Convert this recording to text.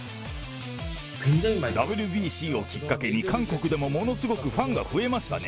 ＷＢＣをきっかけに、韓国でもものすごくファンが増えましたね。